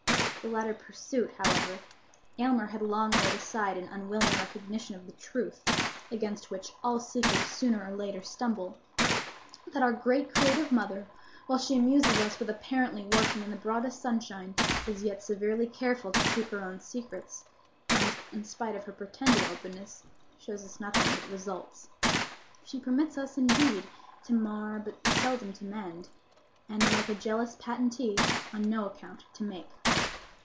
The latter pursuit, however, Aylmer had long laid aside in unwilling recognition of the truth—against which all seekers sooner or later stumble—that our great creative Mother, while she amuses us with apparently working in the broadest sunshine, is yet severely careful to keep her own secrets, and, in spite of her pretended openness, shows us nothing but results. She permits us, indeed, to mar, but seldom to mend, and, like a jealous patentee, on no account to make.